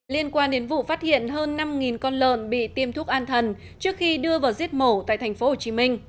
liên quan đến vụ phát hiện hơn năm con lợn bị tiêm thuốc an thần trước khi đưa vào giết mổ tại tp hcm